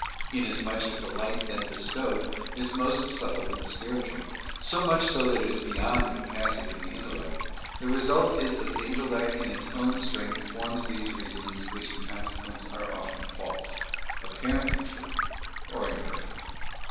Inasmuch as the light then bestowed is most subtle and spiritual, so much so that it is beyond the capacity of the intellect, the result is that the intellect in its own strength forms these reasonings which in consequence are often false, apparently true, or imperfect.